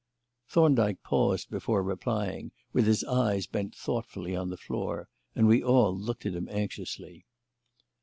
Thorndyke paused before replying, with his eyes bent thoughtfully on the floor, and we all looked at him anxiously.